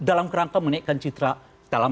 dalam kerangka menaikkan citra dalam